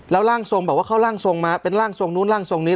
แล้วร่างทรงบอกว่าเข้าร่างทรงมาเป็นร่างทรงนู้นร่างทรงนี้